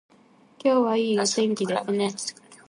今日はいいお天気ですね